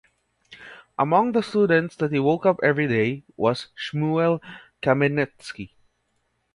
Among the students that he woke up every day was Shmuel Kamenetsky.